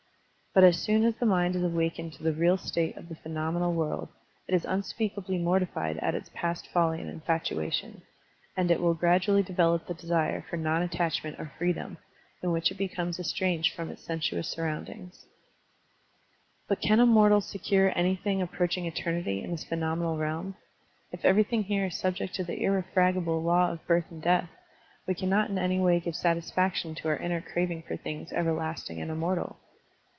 But as soon as the mind is awakened to the real state of the phe nomenal world, it is unspeakably mortified at its Digitized by Google Il6 SERMONS OP A BUDDHIST ABBOT past folly and infatuation, and it will gradually develop the desire for non attachment or free" dom, in which it becomes estranged from its sensuous surroundings. But can a mortal secure anything approaching eternity in this phenomenal realm? If every thing here is subject to the irrefragable law of birth and death, we cannot in any way give satisfaction to our inner craving for things ever lasting and immortal.